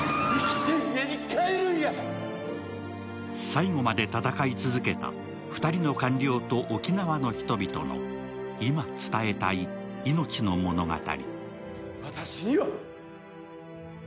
最後まで戦い続けた２人の官僚と沖縄の人々の今伝えたい命の物語。